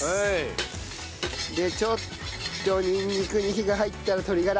でちょっとにんにくに火が入ったら鶏がら。